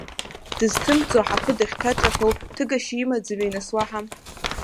Дызҭымҵӡо аҳаԥы дахьҭаҿаҳәоу, ҭыгашьа имаӡами, нас, уаҳа?